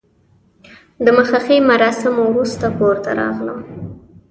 د مخه ښې مراسمو وروسته کور ته راغلم.